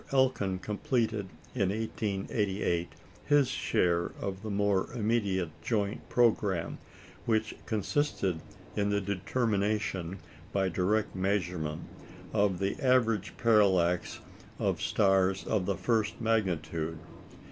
Elkin completed in 1888 his share of the more immediate joint programme, which consisted in the determination, by direct measurement, of the average parallax of stars of the first magnitude.